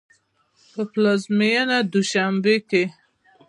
په پلازمېنه دوشنبه کې